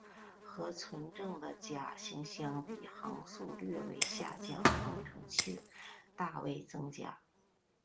和纯正的甲型相比航速略为下降航程却大为增加。